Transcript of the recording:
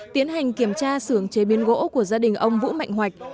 tiến hành kiểm tra sưởng chế biến gỗ của gia đình ông vũ mạnh hoạch